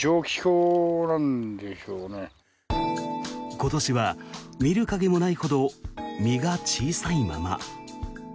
今年は見る影もないほど実が小さいまま。